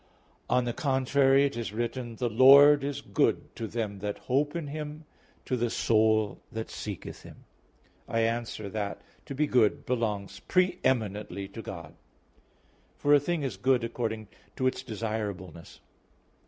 On the contrary, It is written (Lam. 3:25): "The Lord is good to them that hope in Him, to the soul that seeketh Him." I answer that, To be good belongs pre eminently to God. For a thing is good according to its desirableness.